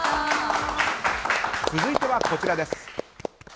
続いてはこちらです。